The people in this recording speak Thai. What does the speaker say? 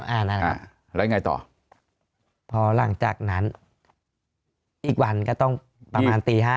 อ่านั่นแหละแล้วยังไงต่อพอหลังจากนั้นอีกวันก็ต้องประมาณตีห้า